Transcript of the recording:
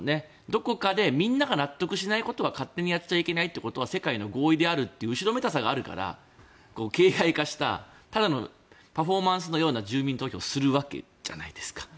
どこかでみんなが納得しないことは勝手にやっちゃいけないということは世界の合意であるという後ろめたさがあるから形骸化されたパフォーマンスのようなただの住民投票をやるわけじゃないですか。